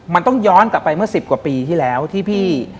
มันต้องย้อนกลับไปเมื่อ๑๐กว่าปีที่แล้วที่พี่